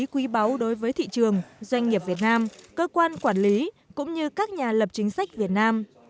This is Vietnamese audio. quý báu đối với thị trường doanh nghiệp việt nam cơ quan quản lý cũng như các nhà lập chính sách việt nam